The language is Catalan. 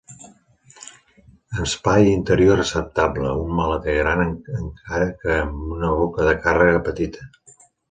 Espai interior acceptable, un maleter gran encara que amb una boca de càrrega petita.